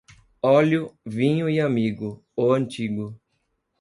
Óleo, vinho e amigo, o antigo.